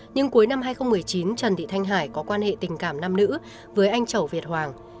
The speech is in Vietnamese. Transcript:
nhưng cuối năm hai nghìn một mươi chín trần thị thanh hải có quan hệ tình cảm nam nữ với anh chẩu việt hoàng